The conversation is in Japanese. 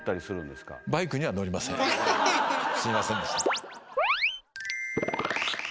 すいませんでした。